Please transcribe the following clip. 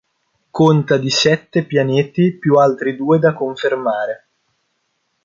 Conta di sette pianeti più altri due da confermare.